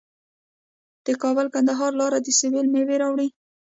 د کابل کندهار لاره د سویل میوې راوړي.